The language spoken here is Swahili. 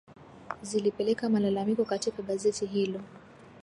zilipeleka malalamiko katika gazeti hilo